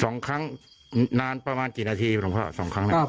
สองครั้งนานประมาณกี่นาทีหลวงพ่อสองครั้งเนี่ย